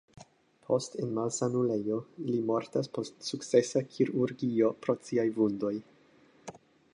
Post en malsanulejo li mortas post sukcesa kirurgio pro siaj vundoj.